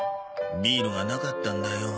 ビールがなかったんだよ。